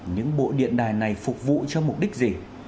những bộ điện đài này phục vụ cho mục đích gì